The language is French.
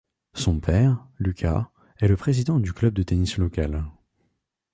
Son père, Luca, est le président du club de tennis local.